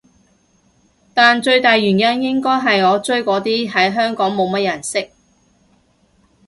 但最大原因應該係我追嗰啲喺香港冇乜人識